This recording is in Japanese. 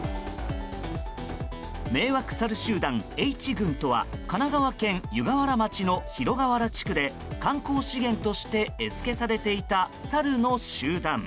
迷惑サル集団、Ｈ群とは神奈川県湯河原町の広河原地区で観光資源として餌付けされていたサルの集団。